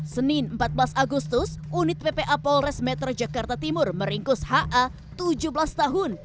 senin empat belas agustus unit ppa polres metro jakarta timur meringkus ha tujuh belas tahun